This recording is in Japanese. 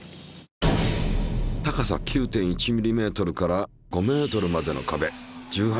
高さ９．１ｍｍから５ｍまでの壁１８枚。